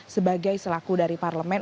sebagai selaku dari parlemen